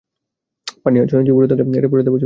পানি আর ছয় ইঞ্চি ওপরে থাকলে এটা পরের ধাপে চলে যেতো।